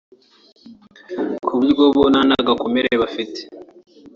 ku buryo bo nta n’agakomere bafite